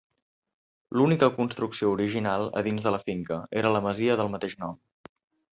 L'única construcció original a dins de la finca era la masia del mateix nom.